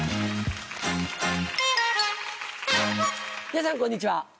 皆さんこんにちは。